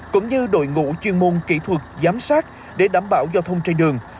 cũng như đội ngũ chuyên môn kỹ thuật giám sát để đảm bảo giao thông trên đường